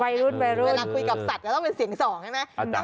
เวลาคุยกับสัตว์ก็ต้องเป็นเสียงสองใช่ไหม